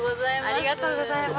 ありがとうございます。